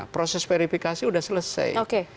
proses verifikasi sudah selesai